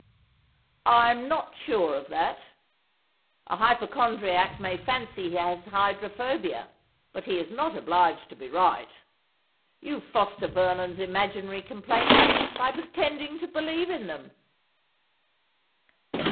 ' I am not sure of that. A hypochondriac may fancy he has hydrophobia, but he is not obliged to be right. You foster Vernon's imaginary complaints by pretending to believe in them.'